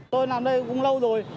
tôi làm đây cũng lâu rồi